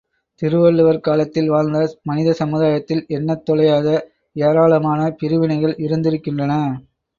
திருவள்ளுவர் காலத்தில் வாழ்ந்த மனித சமுதாயத்தில் எண்ணத் தொலையாத ஏராளமான பிரிவினைகள் இருந்திருக்கின்றன.